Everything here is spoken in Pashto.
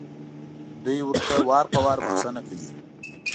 دوی ورته وار په وار بښنه کوي.